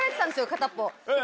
片っぽ。